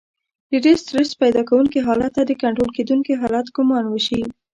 د ډېر سټرس پيدا کوونکي حالت ته د کنټرول کېدونکي حالت ګمان وشي.